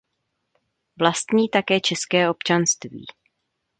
Vlastní také české občanství.